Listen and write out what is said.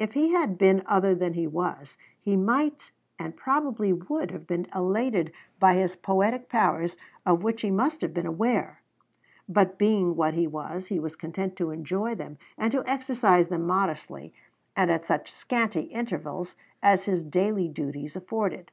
If he had been other than he was, he might and probably would have been elated by his poetic powers, of which he must have been aware; but being what he was, he was content to enjoy them and to exercise them modestly, and at such scanty intervals as his daily duties afforded.